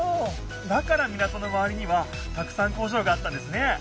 だから港のまわりにはたくさん工場があったんですね！